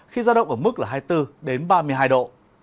khi gia động ở mức hai mươi bốn ba mươi hai độ